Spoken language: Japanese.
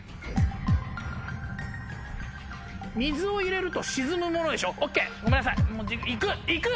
水を入れると沈むものでしょＯＫごめんなさい。